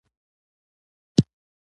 خو په هسپانیا او فرانسه کې داسې نه و.